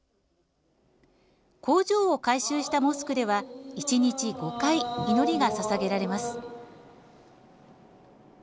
工場を改修したモスクでは１日５回、祈りがささげられます。